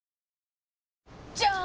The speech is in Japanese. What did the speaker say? じゃーん！